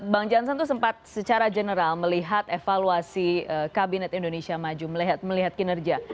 bang jansan itu sempat secara general melihat evaluasi kabinet indonesia maju melihat kinerja